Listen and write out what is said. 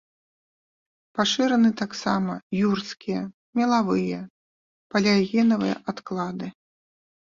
Пашыраны таксама юрскія, мелавыя, палеагенавыя адклады.